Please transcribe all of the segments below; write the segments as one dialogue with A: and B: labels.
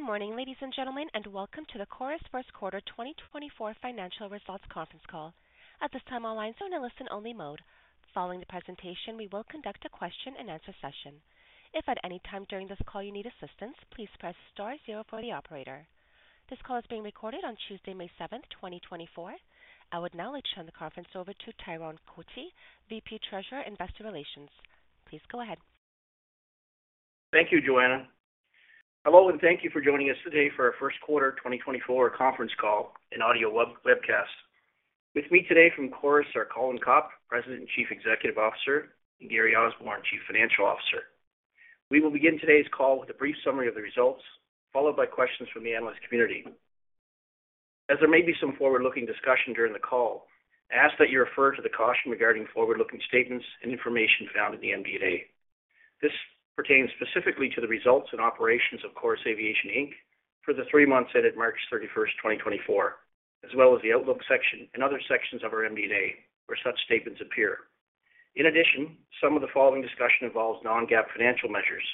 A: Good morning, ladies and gentlemen, and welcome to the Chorus First Quarter 2024 Financial Results conference call. At this time, all lines are in a listen-only mode. Following the presentation, we will conduct a question-and-answer session. If at any time during this call you need assistance, please press star zero for the operator. This call is being recorded on Tuesday, May 7th, 2024. I would now like to turn the conference over to Tyrone Cotie, VP, Treasurer, Investor Relations. Please go ahead.
B: Thank you, Joanna. Hello, and thank you for joining us today for our first quarter 2024 conference call and audio webcast. With me today from Chorus are Colin Copp, President and Chief Executive Officer, and Gary Osborne, Chief Financial Officer. We will begin today's call with a brief summary of the results, followed by questions from the analyst community. As there may be some forward-looking discussion during the call, I ask that you refer to the caution regarding forward-looking statements and information found in the MD&A. This pertains specifically to the results and operations of Chorus Aviation, Inc. For the three months ended March 31st, 2024, as well as the outlook section and other sections of our MD&A, where such statements appear. In addition, some of the following discussion involves non-GAAP financial measures,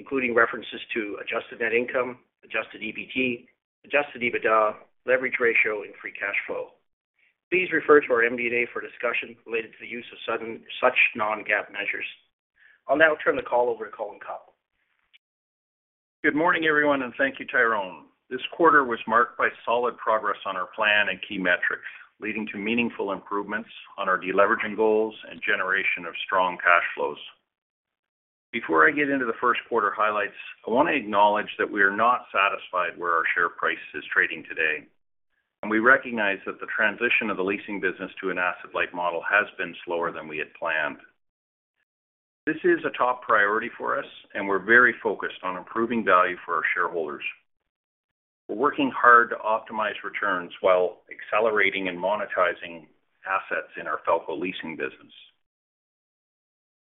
B: including references to adjusted net income, adjusted EBT, adjusted EBITDA, leverage ratio, and free cash flow. Please refer to our MD&A for a discussion related to the use of such non-GAAP measures. I'll now turn the call over to Colin Copp.
C: Good morning, everyone, and thank you, Tyrone. This quarter was marked by solid progress on our plan and key metrics, leading to meaningful improvements on our deleveraging goals and generation of strong cash flows. Before I get into the first quarter highlights, I want to acknowledge that we are not satisfied where our share price is trading today, and we recognize that the transition of the leasing business to an asset-light model has been slower than we had planned. This is a top priority for us, and we're very focused on improving value for our shareholders. We're working hard to optimize returns while accelerating and monetizing assets in our Falko Leasing business.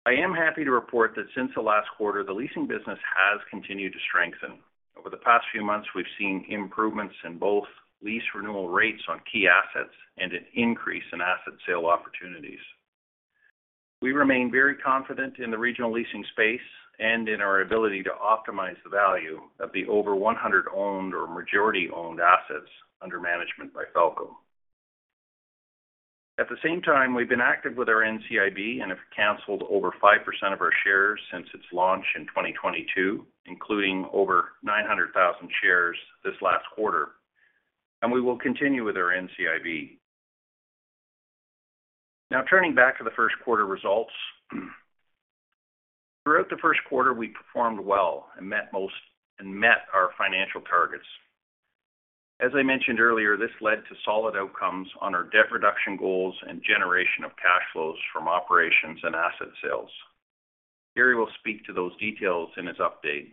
C: I am happy to report that since the last quarter, the leasing business has continued to strengthen. Over the past few months, we've seen improvements in both lease renewal rates on key assets and an increase in asset sale opportunities. We remain very confident in the regional leasing space and in our ability to optimize the value of the over 100 owned or majority-owned assets under management by Falko. At the same time, we've been active with our NCIB and have canceled over 5% of our shares since its launch in 2022, including over 900,000 shares this last quarter, and we will continue with our NCIB. Now, turning back to the first quarter results. Throughout the first quarter, we performed well and met our financial targets. As I mentioned earlier, this led to solid outcomes on our debt reduction goals and generation of cash flows from operations and asset sales. Gary will speak to those details in his update.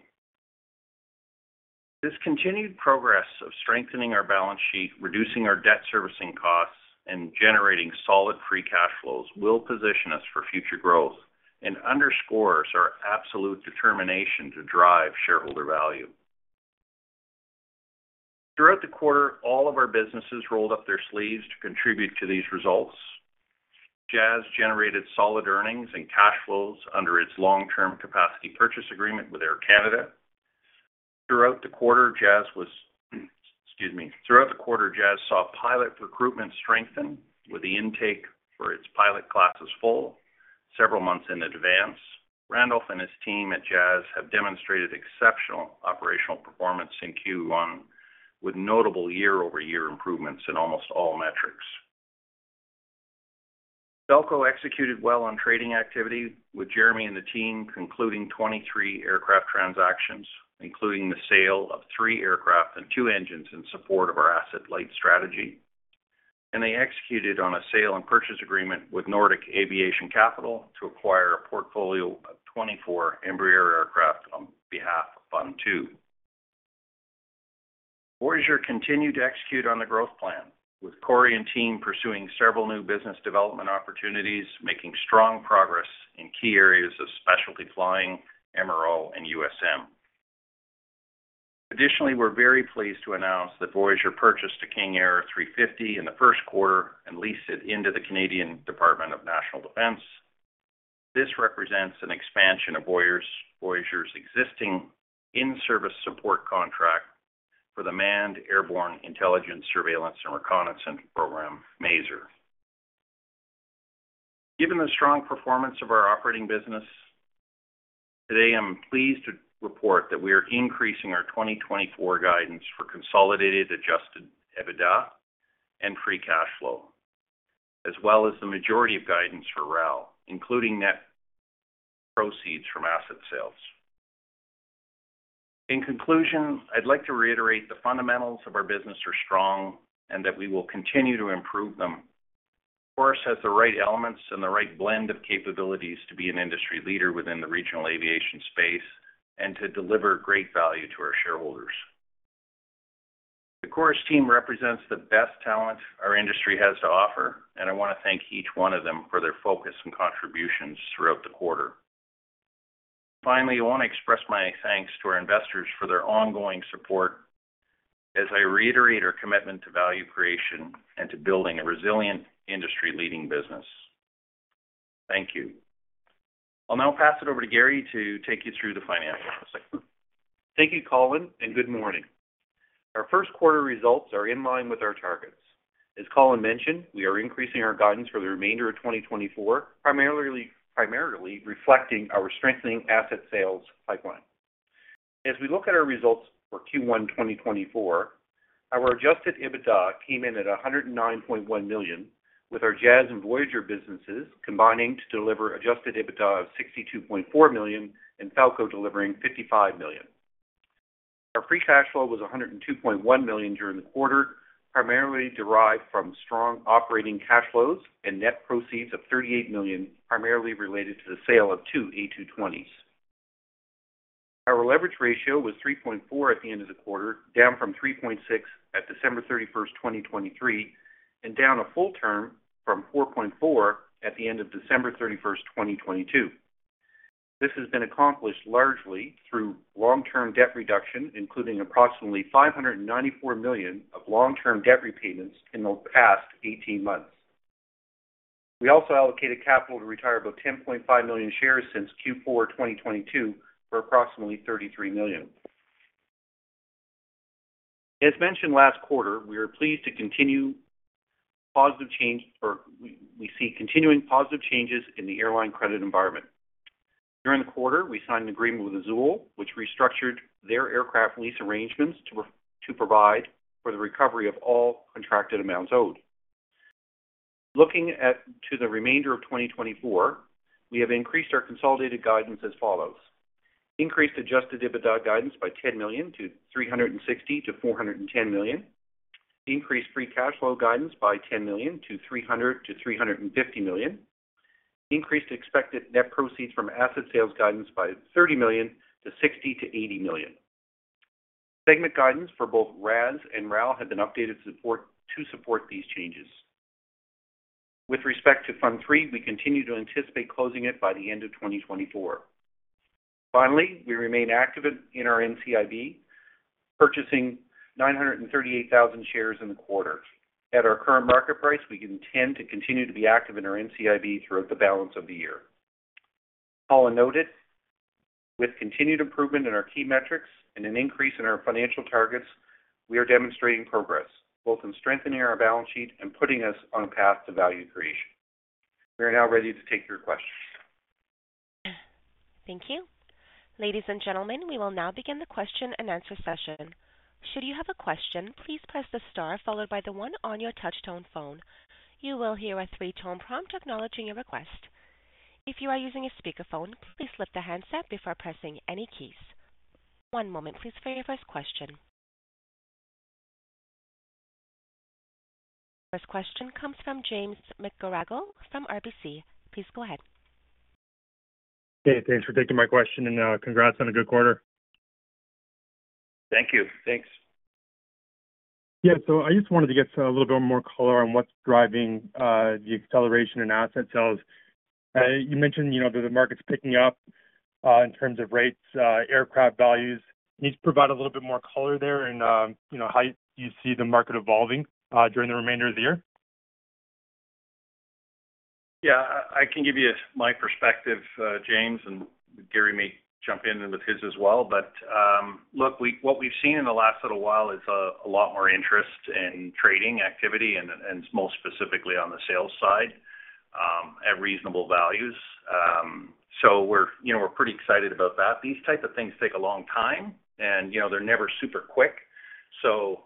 C: This continued progress of strengthening our balance sheet, reducing our debt servicing costs, and generating solid free cash flows will position us for future growth and underscores our absolute determination to drive shareholder value. Throughout the quarter, all of our businesses rolled up their sleeves to contribute to these results. Jazz generated solid earnings and cash flows under its long-term capacity purchase agreement with Air Canada. Throughout the quarter, Jazz saw pilot recruitment strengthen with the intake for its pilot classes full several months in advance. Randolph and his team at Jazz have demonstrated exceptional operational performance in Q1, with notable year-over-year improvements in almost all metrics. Falko executed well on trading activity, with Jeremy and the team concluding 23 aircraft transactions, including the sale of three aircraft and two engines in support of our asset-light strategy. They executed on a sale and purchase agreement with Nordic Aviation Capital to acquire a portfolio of 24 Embraer aircraft on behalf of Fund II. Voyageur continued to execute on the growth plan, with Cory and team pursuing several new business development opportunities, making strong progress in key areas of specialty flying, MRO, and USM. Additionally, we're very pleased to announce that Voyageur purchased a King Air 350 in the first quarter and leased it into the Canadian Department of National Defence. This represents an expansion of Voyageur's existing in-service support contract for the Manned Airborne Intelligence, Surveillance, and Reconnaissance program, MAISR. Given the strong performance of our operating business, today, I'm pleased to report that we are increasing our 2024 guidance for consolidated adjusted EBITDA and free cash flow, as well as the majority of guidance for RAL, including net proceeds from asset sales. In conclusion, I'd like to reiterate the fundamentals of our business are strong and that we will continue to improve them. Chorus has the right elements and the right blend of capabilities to be an industry leader within the regional aviation space and to deliver great value to our shareholders. The Chorus team represents the best talent our industry has to offer, and I want to thank each one of them for their focus and contributions throughout the quarter. Finally, I want to express my thanks to our investors for their ongoing support as I reiterate our commitment to value creation and to building a resilient industry-leading business.... Thank you. I'll now pass it over to Gary to take you through the financials.
D: Thank you, Colin, and good morning. Our first quarter results are in line with our targets. As Colin mentioned, we are increasing our guidance for the remainder of 2024, primarily, primarily reflecting our strengthening asset sales pipeline. As we look at our results for Q1 2024, our adjusted EBITDA came in at 109.1 million, with our Jazz and Voyageur businesses combining to deliver adjusted EBITDA of 62.4 million and Falko delivering 55 million. Our free cash flow was 102.1 million during the quarter, primarily derived from strong operating cash flows and net proceeds of 38 million, primarily related to the sale of two A220s. Our leverage ratio was 3.4x at the end of the quarter, down from 3.6x at December 31st, 2023, and down a full turn from 4.4x at the end of December 31st, 2022. This has been accomplished largely through long-term debt reduction, including approximately 594 million of long-term debt repayments in the past 18 months. We also allocated capital to retire about 10.5 million shares since Q4 2022, for approximately CAD 33 million. As mentioned last quarter, we are pleased to continue positive change, or we, we see continuing positive changes in the airline credit environment. During the quarter, we signed an agreement with Azul, which restructured their aircraft lease arrangements to provide for the recovery of all contracted amounts owed. Looking at the remainder of 2024, we have increased our consolidated guidance as follows: increased adjusted EBITDA guidance by 10 million to 360 million-410 million, increased free cash flow guidance by 10 million to 300 million-350 million, increased expected net proceeds from asset sales guidance by 30 million to 60 million-80 million. Segment guidance for both RAS and RAL has been updated to support these changes. With respect to Fund III, we continue to anticipate closing it by the end of 2024. Finally, we remain active in our NCIB, purchasing 938,000 shares in the quarter. At our current market price, we intend to continue to be active in our NCIB throughout the balance of the year. Colin noted, with continued improvement in our key metrics and an increase in our financial targets, we are demonstrating progress, both in strengthening our balance sheet and putting us on a path to value creation. We are now ready to take your questions.
A: Thank you. Ladies and gentlemen, we will now begin the question-and-answer session. Should you have a question, please press the star followed by the one on your touchtone phone. You will hear a three-tone prompt acknowledging your request. If you are using a speakerphone, please lift the handset before pressing any keys. One moment, please, for your first question. First question comes from James McGarragle from RBC. Please go ahead.
E: Hey, thanks for taking my question, and, congrats on a good quarter.
C: Thank you.
D: Thanks.
E: Yeah. So I just wanted to get a little bit more color on what's driving the acceleration in asset sales. You mentioned, you know, that the market's picking up in terms of rates, aircraft values. Can you just provide a little bit more color there and, you know, how you see the market evolving during the remainder of the year?
C: Yeah, I can give you my perspective, James, and Gary may jump in with his as well, but look, what we've seen in the last little while is a lot more interest in trading activity and most specifically on the sales side at reasonable values. So we're, you know, we're pretty excited about that. These type of things take a long time, and, you know, they're never super quick. So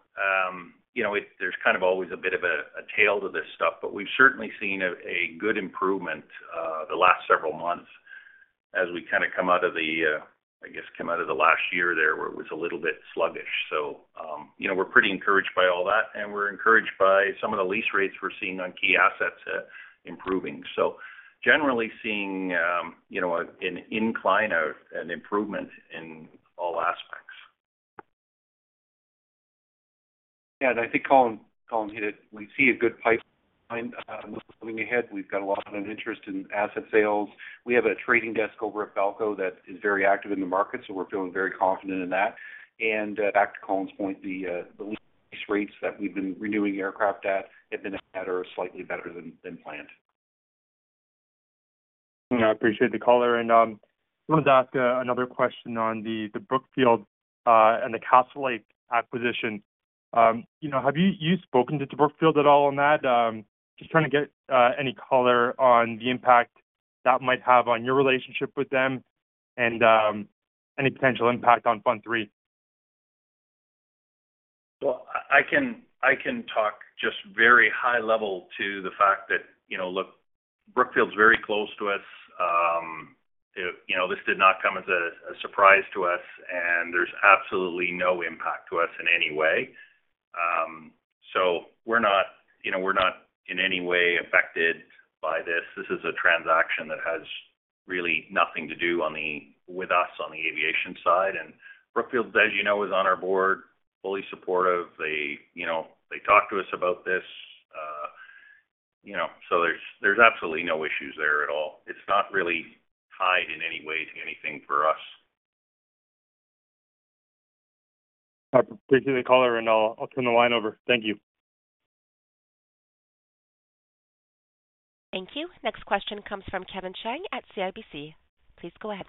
C: you know, there's kind of always a bit of a tail to this stuff, but we've certainly seen a good improvement the last several months as we kind of come out of the, I guess, come out of the last year there, where it was a little bit sluggish. So, you know, we're pretty encouraged by all that, and we're encouraged by some of the lease rates we're seeing on key assets, improving. So generally seeing, you know, an incline of an improvement in all aspects.
D: Yeah, and I think Colin hit it. We see a good pipeline moving ahead. We've got a lot of interest in asset sales. We have a trading desk over at Falko that is very active in the market, so we're feeling very confident in that. And back to Colin's point, the lease rates that we've been renewing aircraft at have been better, slightly better than planned.
E: I appreciate the call there, and I wanted to ask another question on the Brookfield and the Castlelake acquisition. You know, have you you spoken to Brookfield at all on that? Just trying to get any color on the impact that might have on your relationship with them and any potential impact on Fund III.
C: Well, I can talk just very high level to the fact that, you know, look, Brookfield's very close to us. You know, this did not come as a surprise to us, and there's absolutely no impact to us in any way. So we're not, you know, we're not in any way affected by this. This is a transaction that has really nothing to do on the with us on the aviation side. And Brookfield, as you know, is on our board, fully supportive. They, you know, they talked to us about this. You know, so there's absolutely no issues there at all. It's not really tied in any way to anything for us...
E: appreciate the caller, and I'll turn the line over. Thank you.
A: Thank you. Next question comes from Kevin Chiang at CIBC. Please go ahead.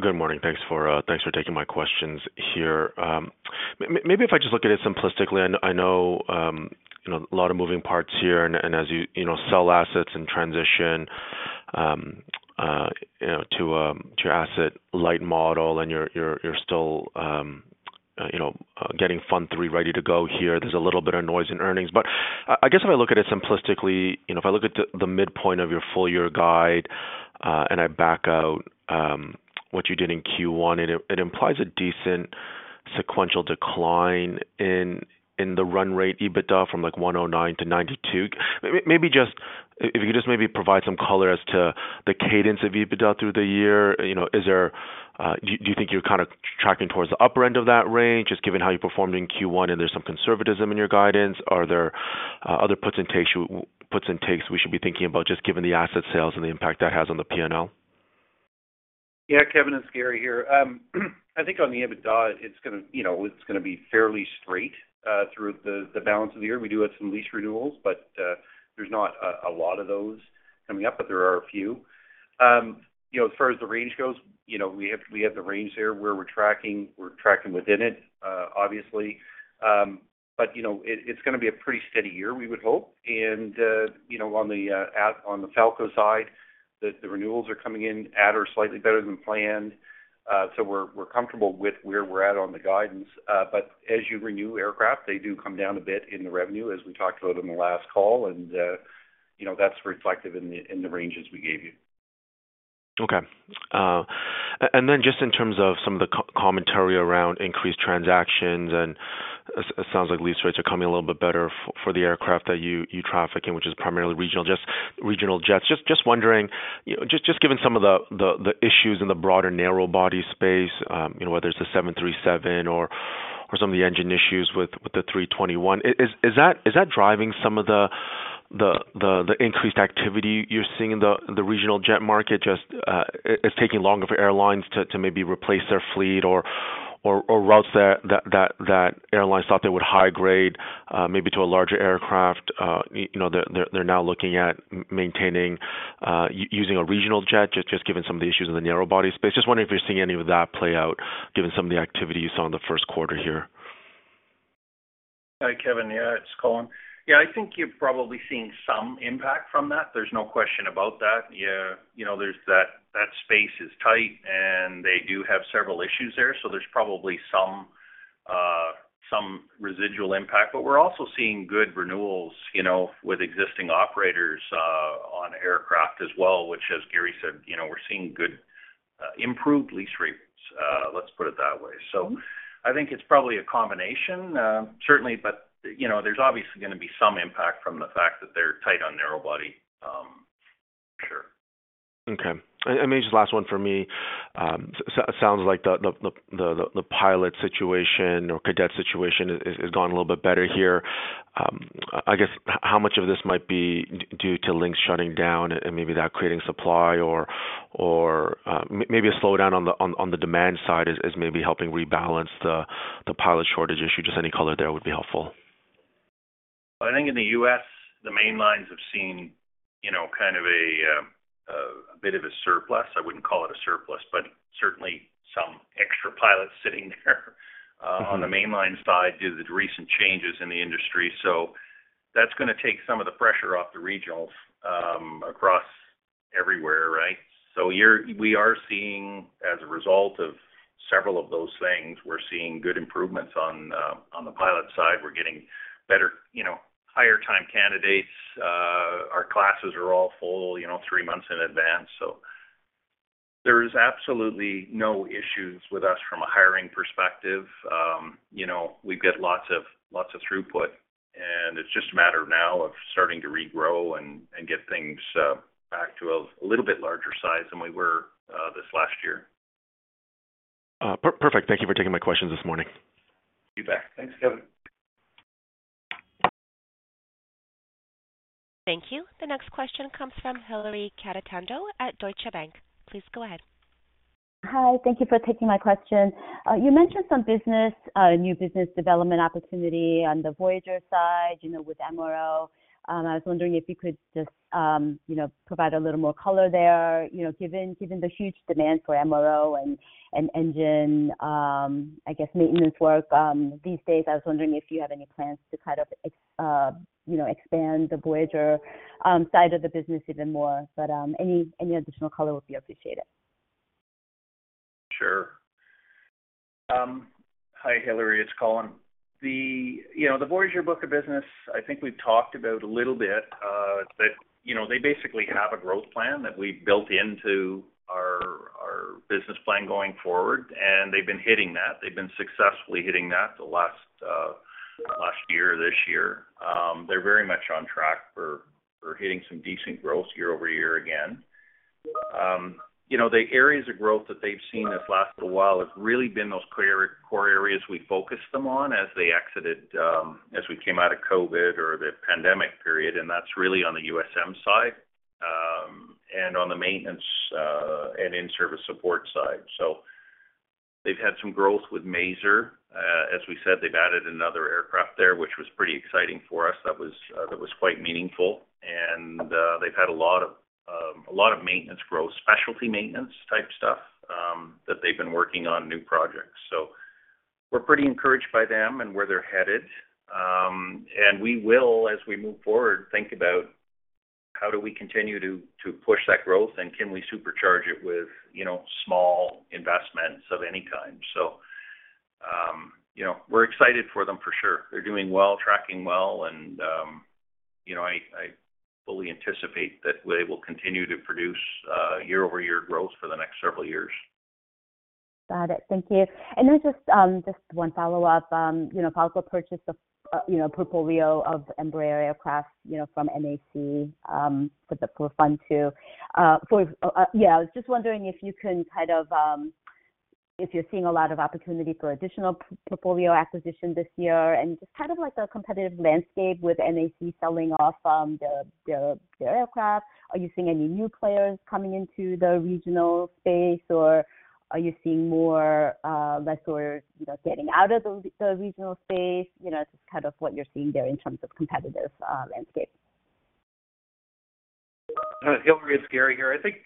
F: Good morning. Thanks for taking my questions here. Maybe if I just look at it simplistically, I know, you know, a lot of moving parts here, and as you, you know, sell assets and transition, you know, to your asset light model, and you're still, you know, getting Fund III ready to go here. There's a little bit of noise in earnings. But I guess if I look at it simplistically, you know, if I look at the midpoint of your full year guide, and I back out what you did in Q1, it implies a decent sequential decline in the run rate EBITDA from, like, 109 million to 92 million. Maybe just... If you could just maybe provide some color as to the cadence of EBITDA through the year. You know, is there... Do you think you're kind of tracking towards the upper end of that range, just given how you performed in Q1, and there's some conservatism in your guidance? Are there, other puts and takes, puts and takes we should be thinking about, just given the asset sales and the impact that has on the P&L?
D: Yeah, Kevin, it's Gary here. I think on the EBITDA, it's gonna, you know, it's gonna be fairly straight through the balance of the year. We do have some lease renewals, but there's not a lot of those coming up, but there are a few. You know, as far as the range goes, you know, we have the range there. Where we're tracking, we're tracking within it, obviously. But you know, it, it's gonna be a pretty steady year, we would hope. And you know, on the Falko side, the renewals are coming in at or slightly better than planned. So we're comfortable with where we're at on the guidance. But as you renew aircraft, they do come down a bit in the revenue, as we talked about on the last call, and, you know, that's reflective in the ranges we gave you.
F: Okay. And then just in terms of some of the commentary around increased transactions, and it sounds like lease rates are coming a little bit better for the aircraft that you traffic in, which is primarily regional, just regional jets. Just wondering, you know, just given some of the issues in the broader narrow-body space, you know, whether it's the 737 or some of the engine issues with the A321, is that driving some of the increased activity you're seeing in the regional jet market? Just, it's taking longer for airlines to maybe replace their fleet or routes that airlines thought they would high-grade, maybe to a larger aircraft. You know, they're, they're now looking at maintaining, using a regional jet, just given some of the issues in the narrow-body space. Just wondering if you're seeing any of that play out, given some of the activity you saw in the first quarter here.
C: Hi, Kevin. Yeah, it's Colin. Yeah, I think you've probably seen some impact from that. There's no question about that. Yeah, you know, there's that space is tight, and they do have several issues there, so there's probably some residual impact. But we're also seeing good renewals, you know, with existing operators on aircraft as well, which, as Gary said, you know, we're seeing good improved lease rates, let's put it that way. So I think it's probably a combination. Certainly, but, you know, there's obviously gonna be some impact from the fact that they're tight on narrow-body, sure.
F: Okay. And maybe just last one for me. Sounds like the pilot situation or cadet situation is gone a little bit better here.
C: Yeah.
F: I guess how much of this might be due to Lynx shutting down and maybe that creating supply or maybe a slowdown on the demand side is maybe helping rebalance the pilot shortage issue? Just any color there would be helpful.
C: I think in the U.S., the main lines have seen, you know, kind of a bit of a surplus. I wouldn't call it a surplus, but certainly some extra pilots sitting there.
F: Mm-hmm.
C: On the mainline side due to the recent changes in the industry. So that's gonna take some of the pressure off the regionals across everywhere, right? So we are seeing, as a result of several of those things, we're seeing good improvements on the pilot side. We're getting better, you know, higher-time candidates. Our classes are all full, you know, three months in advance. So there is absolutely no issues with us from a hiring perspective. You know, we've got lots of, lots of throughput, and it's just a matter now of starting to regrow and get things back to a little bit larger size than we were this last year.
F: Perfect. Thank you for taking my questions this morning.
C: You bet. Thanks, Kevin.
A: Thank you. The next question comes from Hillary Cacanando at Deutsche Bank. Please go ahead.
G: Hi, thank you for taking my question. You mentioned some business, new business development opportunity on the Voyageur side, you know, with MRO. I was wondering if you could just, you know, provide a little more color there. You know, given, given the huge demand for MRO and, and engine, I guess maintenance work, these days, I was wondering if you have any plans to kind of, you know, expand the Voyageur, side of the business even more. But, any, any additional color would be appreciated.
C: Sure. Hi, Hillary, it's Colin. You know, the Voyageur book of business, I think we've talked about a little bit, but, you know, they basically have a growth plan that we built into our, our business plan going forward, and they've been hitting that. They've been successfully hitting that the last year, this year. They're very much on track for, for hitting some decent growth year-over-year again. You know, the areas of growth that they've seen this last little while have really been those clear core areas we focused them on as they exited, as we came out of COVID or the pandemic period, and that's really on the USM side.... and on the maintenance, and in-service support side. So they've had some growth with MAISR. As we said, they've added another aircraft there, which was pretty exciting for us. That was quite meaningful. They've had a lot of maintenance growth, specialty maintenance type stuff that they've been working on new projects. So we're pretty encouraged by them and where they're headed. And we will, as we move forward, think about how do we continue to push that growth and can we supercharge it with you know small investments of any kind. So you know we're excited for them for sure. They're doing well, tracking well, and you know I fully anticipate that they will continue to produce year-over-year growth for the next several years.
G: Got it. Thank you. And then just one follow-up, you know, Falko purchase of, you know, portfolio of Embraer aircraft, you know, from NAC, for Fund II. Yeah, I was just wondering if you can kind of, if you're seeing a lot of opportunity for additional portfolio acquisition this year, and just kind of like the competitive landscape with NAC selling off, their aircraft. Are you seeing any new players coming into the regional space, or are you seeing more lessors, you know, getting out of the regional space? You know, just kind of what you're seeing there in terms of competitive landscape.
D: Hi, Hillary, it's Gary here. I think,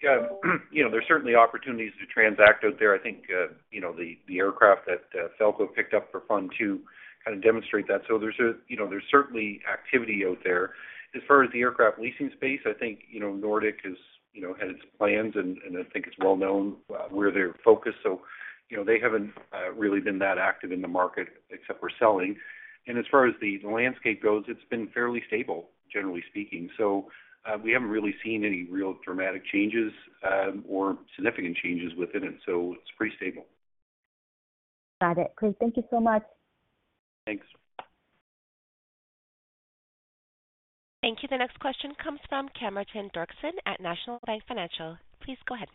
D: you know, there's certainly opportunities to transact out there. I think, you know, the aircraft that Falko picked up for Fund II kind of demonstrate that. So, you know, there's certainly activity out there. As far as the aircraft leasing space, I think, you know, Nordic has, you know, had its plans, and I think it's well known, where they're focused. So, you know, they haven't really been that active in the market, except for selling. And as far as the landscape goes, it's been fairly stable, generally speaking. So, we haven't really seen any real dramatic changes, or significant changes within it, so it's pretty stable.
G: Got it. Great. Thank you so much.
D: Thanks.
A: Thank you. The next question comes from Cameron Doerksen at National Bank Financial. Please go ahead.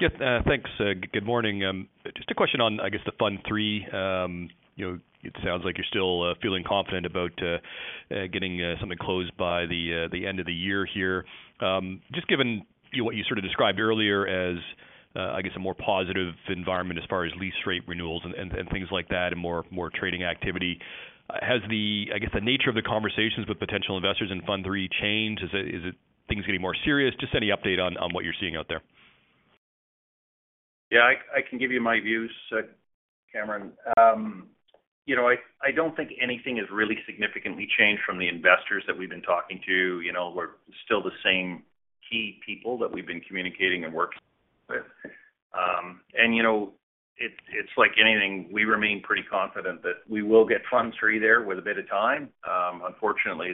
H: Yes, thanks. Good morning. Just a question on, I guess, the Fund III. You know, it sounds like you're still feeling confident about getting something closed by the end of the year here. Just given, you know, what you sort of described earlier as, I guess, a more positive environment as far as lease rate renewals and things like that, and more trading activity, has the, I guess, the nature of the conversations with potential investors in Fund III changed? Is it things getting more serious? Just any update on what you're seeing out there.
C: Yeah, I can give you my views, Cameron. You know, I don't think anything has really significantly changed from the investors that we've been talking to. You know, we're still the same key people that we've been communicating and working with. And you know, it's like anything, we remain pretty confident that we will get Fund III there with a bit of time. Unfortunately,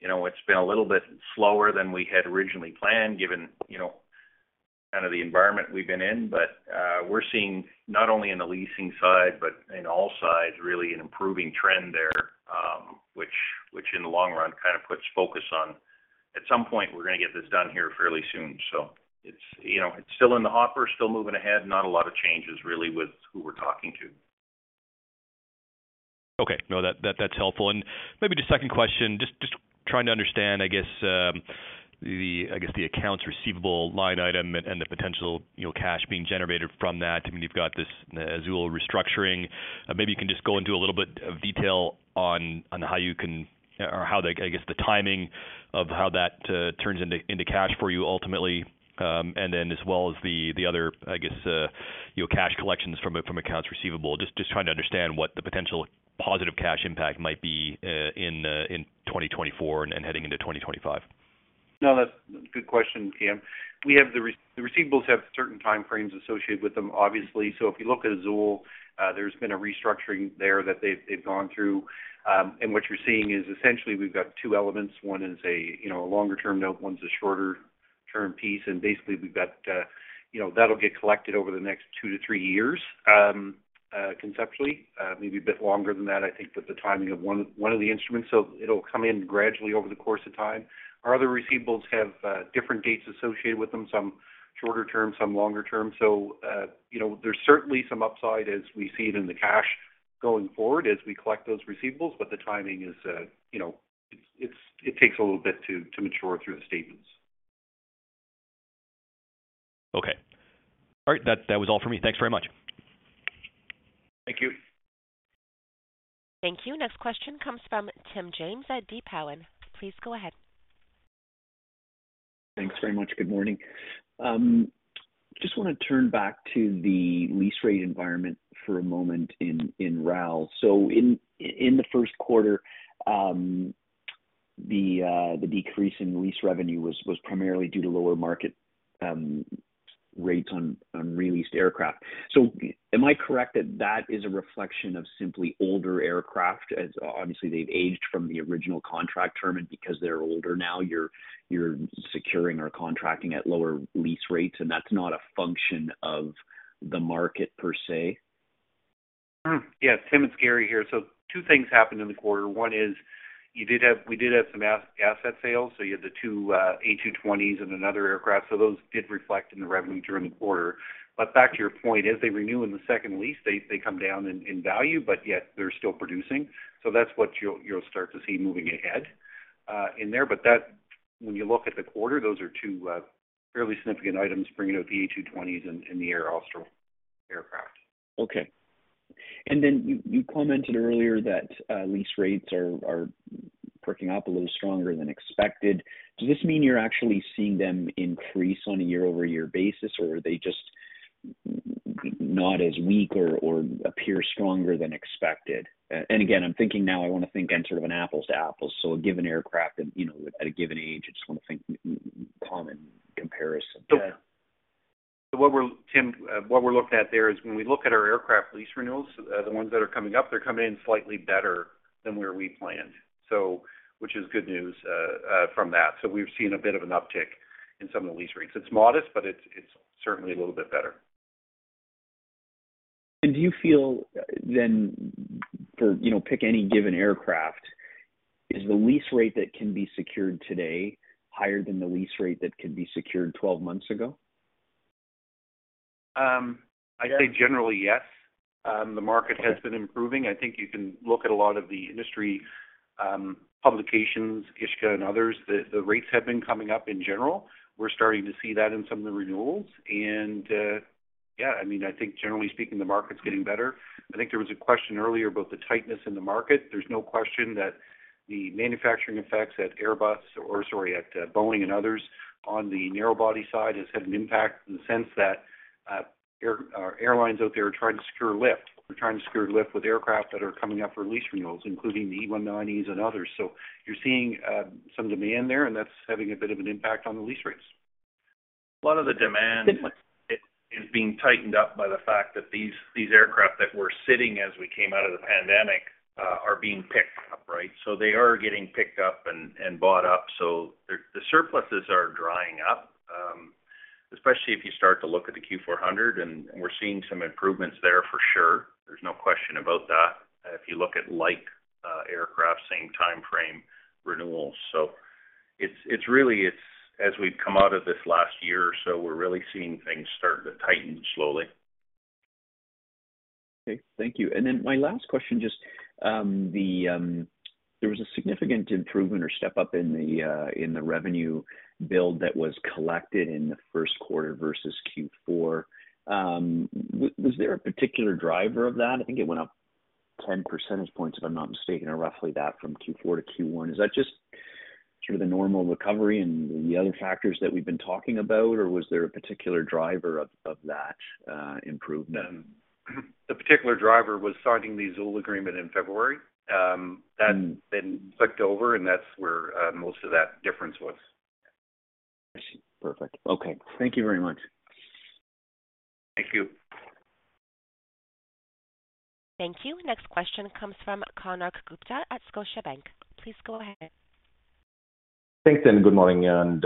C: you know, it's been a little bit slower than we had originally planned, given, you know, kind of the environment we've been in. But, we're seeing not only in the leasing side, but in all sides, really an improving trend there, which in the long run, kind of puts focus on, at some point, we're gonna get this done here fairly soon. So it's, you know, it's still in the hopper, still moving ahead. Not a lot of changes really with who we're talking to.
H: Okay. No, that's helpful. And maybe just second question, just trying to understand, I guess, the accounts receivable line item and the potential, you know, cash being generated from that. I mean, you've got this Azul restructuring. Maybe you can just go into a little bit of detail on how you can or how the, I guess, the timing of how that turns into cash for you ultimately, and then as well as the other, I guess, you know, cash collections from accounts receivable. Just trying to understand what the potential positive cash impact might be in 2024 and heading into 2025.
C: No, that's a good question, Cam. We have the receivables have certain time frames associated with them, obviously. So if you look at Azul, there's been a restructuring there that they've gone through. And what you're seeing is essentially we've got two elements. One is a, you know, a longer-term note, one's a shorter-term piece, and basically we've got, you know, that'll get collected over the next two to three years, conceptually, maybe a bit longer than that, I think, but the timing of one of the instruments. So it'll come in gradually over the course of time. Our other receivables have different dates associated with them, some shorter term, some longer term. So, you know, there's certainly some upside as we see it in the cash going forward as we collect those receivables, but the timing is, you know, it's, it takes a little bit to mature through the statements.
H: Okay. All right, that, that was all for me. Thanks very much.
C: Thank you.
A: Thank you. Next question comes from Tim James at TD Cowen. Please go ahead.
I: Thanks very much. Good morning. Just wanna turn back to the lease rate environment for a moment in RAL. So in the first quarter, the decrease in lease revenue was primarily due to lower market rates on re-leased aircraft. So am I correct that that is a reflection of simply older aircraft, as obviously they've aged from the original contract term, and because they're older now, you're securing or contracting at lower lease rates, and that's not a function of the market per se?
D: Hmm. Yeah. Tim, it's Gary here. So two things happened in the quarter. One is, we did have some asset sales, so you had the two A220s and another aircraft. So those did reflect in the revenue during the quarter. But back to your point, as they renew in the second lease, they come down in value, but yet they're still producing. So that's what you'll start to see moving ahead in there. But that...... When you look at the quarter, those are two, fairly significant items, bringing out the Airbus A220s and, and the Air Austral aircraft.
I: Okay. And then you commented earlier that lease rates are perking up a little stronger than expected. Does this mean you're actually seeing them increase on a year-over-year basis, or are they just not as weak or appear stronger than expected? And again, I'm thinking now, I wanna think in sort of an apples to apples, so a given aircraft and, you know, at a given age, I just wanna think, common comparison.
D: Yeah. So what we're looking at there, Tim, is when we look at our aircraft lease renewals, the ones that are coming up, they're coming in slightly better than where we planned, so which is good news from that. So we've seen a bit of an uptick in some of the lease rates. It's modest, but it's certainly a little bit better.
I: Do you feel, then for, you know, pick any given aircraft, is the lease rate that can be secured today higher than the lease rate that could be secured 12 months ago?
D: I'd say generally, yes. The market has been improving. I think you can look at a lot of the industry publications, Ishka and others. The rates have been coming up in general. We're starting to see that in some of the renewals, and yeah, I mean, I think generally speaking, the market's getting better. I think there was a question earlier about the tightness in the market. There's no question that the manufacturing effects at Airbus, sorry, at Boeing and others on the narrow-body side, has had an impact in the sense that airlines out there are trying to secure lift. They're trying to secure lift with aircraft that are coming up for lease renewals, including the E190s and others. So you're seeing some demand there, and that's having a bit of an impact on the lease rates.
C: A lot of the demand is being tightened up by the fact that these aircraft that were sitting as we came out of the pandemic are being picked up, right? So they are getting picked up and bought up. So the surpluses are drying up, especially if you start to look at the Q400, and we're seeing some improvements there for sure. There's no question about that. If you look at, like, aircraft same time frame renewals. So it's really as we've come out of this last year or so, we're really seeing things start to tighten slowly.
I: Okay, thank you. And then my last question, just, the, there was a significant improvement or step up in the, in the revenue build that was collected in the first quarter versus Q4. Was there a particular driver of that? I think it went up 10 percentage points, if I'm not mistaken, or roughly that from Q4 to Q1. Is that just sort of the normal recovery and the other factors that we've been talking about, or was there a particular driver of, of that, improvement?
D: The particular driver was signing the Azul agreement in February. That's been flipped over, and that's where most of that difference was.
I: Perfect. Okay. Thank you very much.
D: Thank you.
A: Thank you. Next question comes from Konark Gupta at Scotiabank. Please go ahead.
J: Thanks, and good morning, and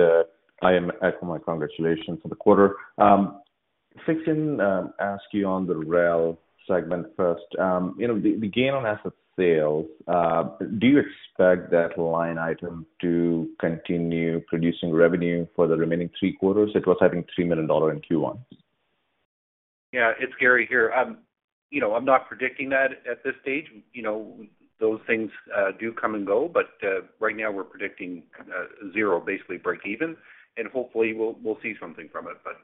J: I am adding my congratulations for the quarter. Let me ask you on the RAL segment first. You know, the gain on asset sales, do you expect that line item to continue producing revenue for the remaining three quarters? It was 3 million dollar in Q1.
D: Yeah, it's Gary here. You know, I'm not predicting that at this stage. You know, those things do come and go, but right now we're predicting zero, basically break even, and hopefully we'll see something from it, but...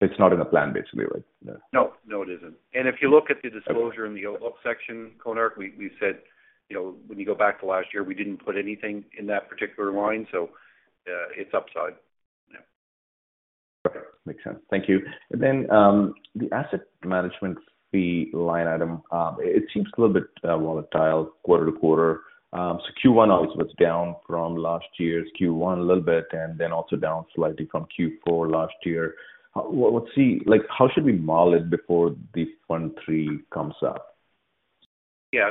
J: It's not in the plan, basically, right?
D: No, no, it isn't. And if you look at the disclosure in the outlook section, Konark, we, we said, you know, when you go back to last year, we didn't put anything in that particular line, so, it's upside.
J: Okay. Makes sense. Thank you. And then, the asset management fee line item, it seems a little bit volatile quarter-to-quarter. So Q1 obviously was down from last year's Q1 a little bit, and then also down slightly from Q4 last year. Well, let's see, like, how should we model it before Fund III comes up?
D: Yeah,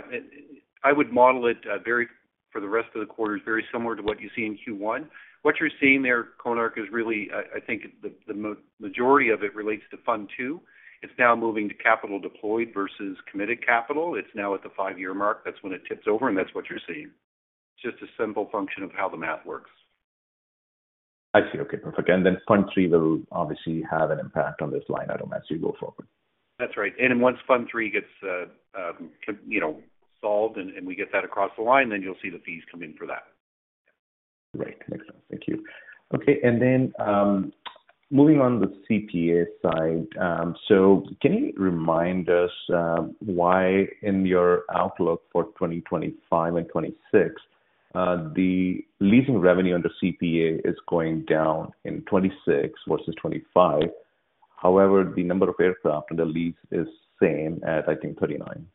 D: I would model it very similar for the rest of the quarters to what you see in Q1. What you're seeing there, Konark, is really, I think the majority of it relates to Fund II. It's now moving to capital deployed versus committed capital. It's now at the five-year mark. That's when it tips over, and that's what you're seeing. Just a simple function of how the math works.
J: I see. Okay, perfect. And then Fund III will obviously have an impact on this line item as you go forward.
D: That's right. Then once Fund III gets you know, solved and we get that across the line, then you'll see the fees come in for that.
J: Right. Makes sense. Thank you. Okay, and then, moving on to the CPA side, so can you remind us, why in your outlook for 2025 and 2026, the leasing revenue under CPA is going down in 2026 versus 2025? However, the number of aircraft under lease is same as, I think, 39.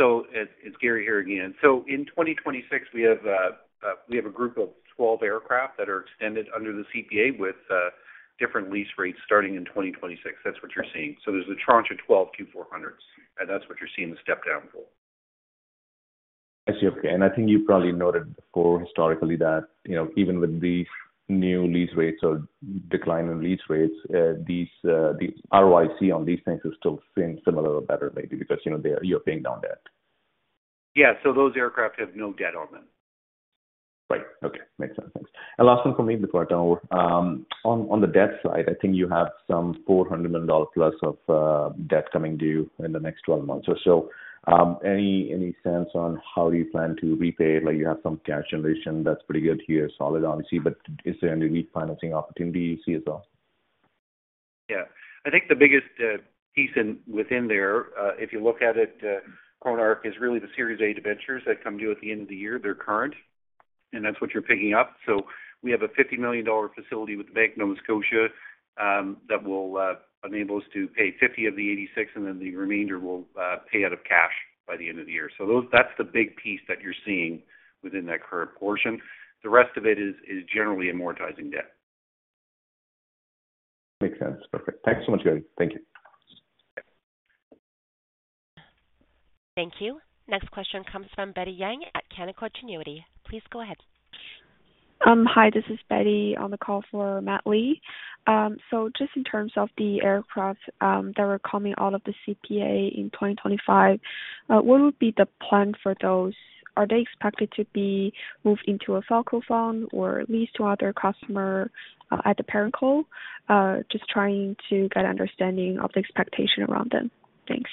D: So it's Gary here again. So in 2026, we have a group of 12 aircraft that are extended under the CPA with different lease rates starting in 2026. That's what you're seeing. So there's a tranche of 12 Q400s, and that's what you're seeing the step down for.
J: I see. Okay, and I think you probably noted before, historically, that, you know, even with these new lease rates or decline in lease rates, these, the ROIC on these things are still staying similar or better, maybe because, you know, they are, you're paying down debt.
D: Yeah, so those aircraft have no debt on them.
J: Right. Okay, makes sense. Thanks. Last one for me before I turn over. On the debt side, I think you have some 400+ million dollar of debt coming due in the next 12 months or so. Any sense on how you plan to repay? Like, you have some cash generation that's pretty good here, solid, obviously, but is there any refinancing opportunity you see as well?
D: Yeah. I think the biggest piece within there, if you look at it, Konark, is really the Series A debentures that come due at the end of the year. They're current, and that's what you're picking up. So we have a 50 million dollar facility with the Bank of Nova Scotia that will enable us to pay 50 million of the 86 million, and then the remainder will pay out of cash by the end of the year. So those... That's the big piece that you're seeing within that current portion. The rest of it is generally amortizing debt.
J: Makes sense. Perfect. Thanks so much, Gary. Thank you.
A: Thank you. Next question comes from Betty Yang at Canaccord Genuity. Please go ahead. Hi, this is Betty on the call for Matt Lee. Just in terms of the aircraft that are coming out of the CPA in 2025, what would be the plan for those? Are they expected to be moved into a Falko fund or leased to other customer at the parent level? Just trying to get an understanding of the expectation around them. Thanks.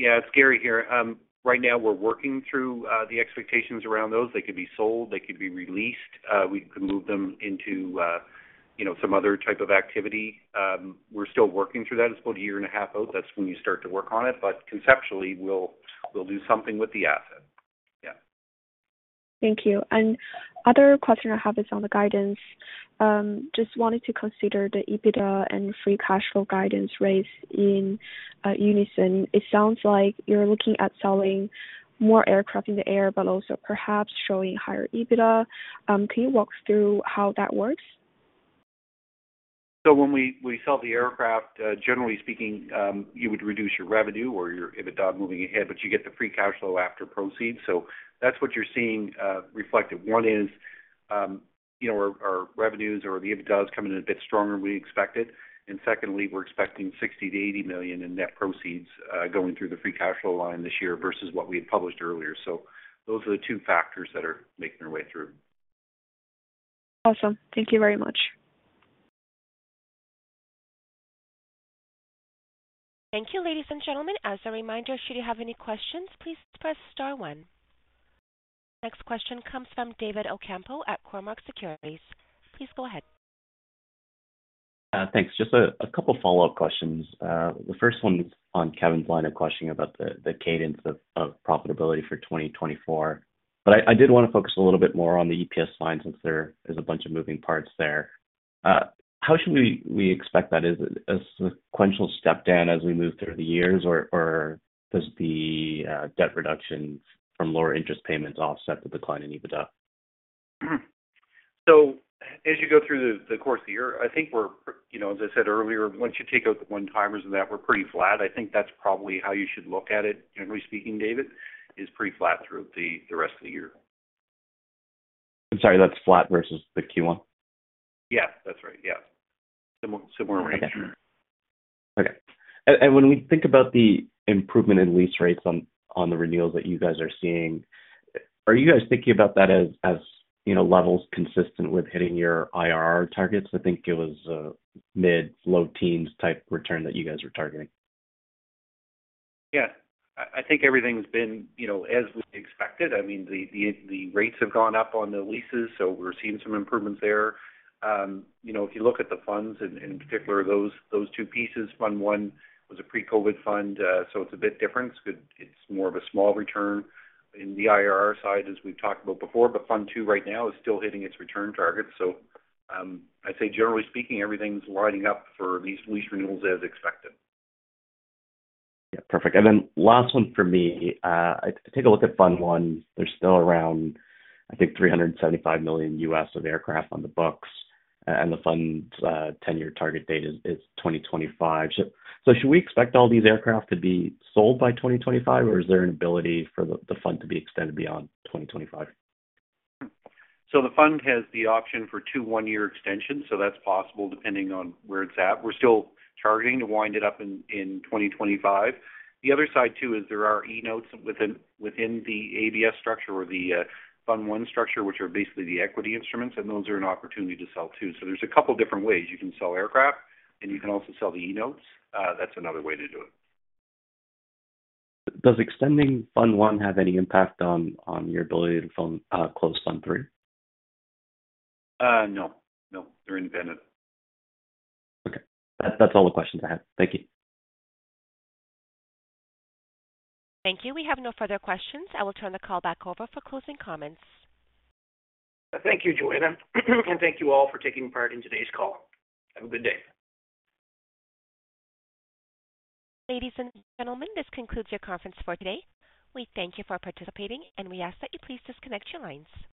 D: Yeah, it's Gary here. Right now we're working through the expectations around those. They could be sold, they could be re-leased. We could move them into you know, some other type of activity. We're still working through that. It's about a year and a half out. That's when you start to work on it. But conceptually, we'll, we'll do something with the asset. Yeah.
K: Thank you. Other question I have is on the guidance. Just wanted to consider the EBITDA and free cash flow guidance raise in unison. It sounds like you're looking at selling more aircraft in the air, but also perhaps showing higher EBITDA. Can you walk through how that works?
D: So when we sell the aircraft, generally speaking, you would reduce your revenue or your EBITDA moving ahead, but you get the free cash flow after proceeds. So that's what you're seeing, reflected. One is, you know, our revenues or the EBITDA is coming in a bit stronger than we expected. And secondly, we're expecting 60 million-80 million in net proceeds, going through the free cash flow line this year versus what we had published earlier. So those are the two factors that are making their way through.
K: Awesome. Thank you very much.
A: Thank you, ladies and gentlemen. As a reminder, should you have any questions, please press star one. Next question comes from David Ocampo at Cormark Securities. Please go ahead.
L: Thanks. Just a couple follow-up questions. The first one is on Kevin's line of questioning about the cadence of profitability for 2024. But I did want to focus a little bit more on the EPS line, since there is a bunch of moving parts there. How should we expect that is a sequential step down as we move through the years? Or does the debt reduction from lower interest payments offset the decline in EBITDA?
D: So as you go through the course of the year, I think we're, you know, as I said earlier, once you take out the one-timers and that, we're pretty flat. I think that's probably how you should look at it, generally speaking, David, is pretty flat through the rest of the year.
L: I'm sorry, that's flat versus the Q1?
D: Yeah, that's right. Yeah. Similar, similar range.
L: Okay. When we think about the improvement in lease rates on the renewals that you guys are seeing, are you guys thinking about that as, you know, levels consistent with hitting your IRR targets? I think it was a mid, low teens type return that you guys are targeting.
D: Yeah. I think everything's been, you know, as we expected. I mean, the rates have gone up on the leases, so we're seeing some improvements there. You know, if you look at the funds, and in particular those two pieces, Fund I was a pre-COVID fund, so it's a bit different. It's good... It's more of a small return in the IRR side, as we've talked about before. But Fund II right now is still hitting its return targets. I'd say generally speaking, everything's lining up for these lease renewals as expected.
L: Yeah, perfect. And then last one for me. I take a look at Fund I. There's still around, I think, 375 million of aircraft on the books, and the Fund's 10-year target date is 2025. So should we expect all these aircraft to be sold by 2025, or is there an ability for the Fund to be extended beyond 2025?
D: So the fund has the option for two one-year extensions, so that's possible depending on where it's at. We're still targeting to wind it up in 2025. The other side, too, is there are E Notes within the ABS structure or the Fund I structure, which are basically the equity instruments, and those are an opportunity to sell too. So there's a couple different ways. You can sell aircraft, and you can also sell the E Notes. That's another way to do it.
L: Does extending fund one have any impact on your ability to fund, close fund three?
D: No. No, they're independent.
L: Okay. That's, that's all the questions I have. Thank you.
A: Thank you. We have no further questions. I will turn the call back over for closing comments.
C: Thank you, Joanna, and thank you all for taking part in today's call. Have a good day.
A: Ladies and gentlemen, this concludes your conference for today. We thank you for participating, and we ask that you please disconnect your lines.